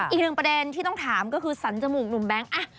อีกหนึ่งประเด็นที่ต้องถามก็คือสรรจมูกหนุ่มแบงค์